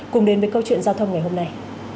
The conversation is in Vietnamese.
cùng đến với câu chuyện giao thông ngày hôm nay